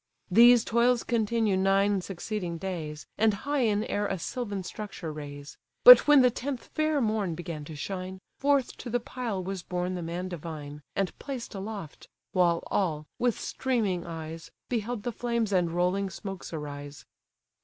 These toils continue nine succeeding days, And high in air a sylvan structure raise. But when the tenth fair morn began to shine, Forth to the pile was borne the man divine, And placed aloft; while all, with streaming eyes, Beheld the flames and rolling smokes arise.